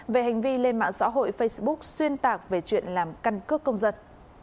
về hành vi lên mạng xã hội facebook xuyên tạc về chuyện làm căn cước công dân